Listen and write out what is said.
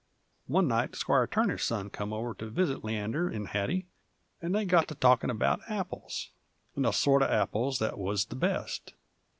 One night Squire Turner's son come over to visit Leander 'nd Hattie, and they got to talkin' about apples, 'nd the sort uv apples that wuz the best.